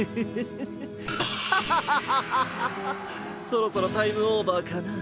そろそろタイムオーバーかな。